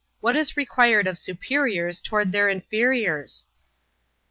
What is required of superiors towards their inferiors?